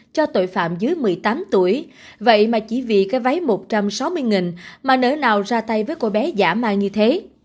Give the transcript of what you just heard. dưới một mươi tám tuổi vậy mà chỉ vì cái váy một trăm sáu mươi nghìn mà nỡ nào ra tay với cô bé giả mà như thế